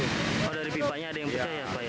kalau dari pipanya ada yang pecah ya pak ya